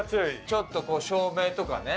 ちょっとこう照明とかね